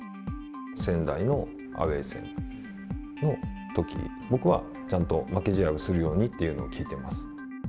仙台のアウエー戦のとき、僕はちゃんと負け試合をするようにというのを聞いてます。